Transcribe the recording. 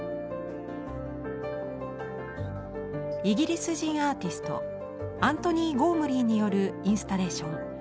イギリス人アーティストアントニーゴームリーによるインスタレーション